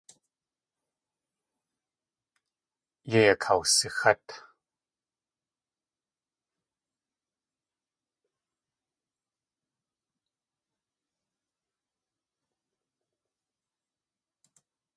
Yéi akawsixát.